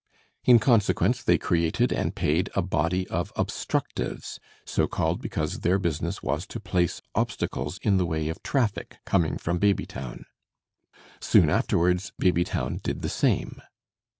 In consequence, they created and paid a body of obstructives, so called because their business was to place obstacles in the way of traffic coming from Babytown. Soon afterwards Babytown did the same.